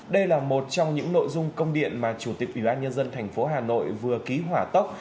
đây là một trong những nội dung công điện mà chủ tịch bỉa an nhân dân thành phố hà nội vừa ký hỏa tóc